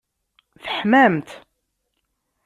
Teḥmamt?